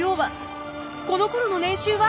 この頃の年収は？